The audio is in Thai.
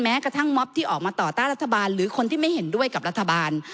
แม้กระทั่งม็อบที่ออกมาต่อต้านรัฐบาลหรือคนที่ไม่เห็นด้วยกับรัฐบาล